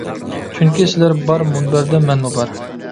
چۈنكى سىلەر بار مۇنبەردە مەنمۇ بار!